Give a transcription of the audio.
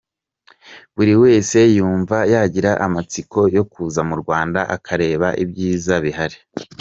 Buri wese numva yagira amatsiko yo kuza mu Rwanda akareba ibyiza bihari.